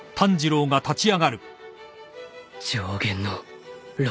上弦の陸